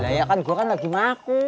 ya ya kan gua kan lagi maku